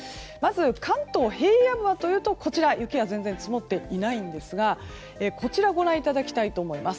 関東平野部はというと雪は全然積もっていないんですがこちらご覧いただきたいと思います。